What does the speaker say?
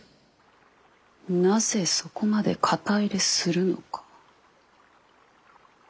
なぜそこまで肩入れするのか。